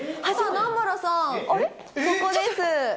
南原さん、ここです。